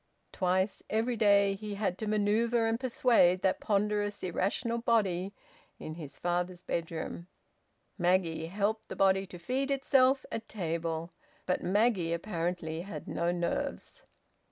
Twice every day he had to manoeuvre and persuade that ponderous, irrational body in his father's bedroom. Maggie helped the body to feed itself at table. But Maggie apparently had no nerves.